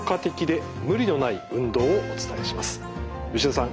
吉田さん